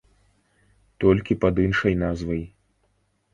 Толькі пад іншай назвай.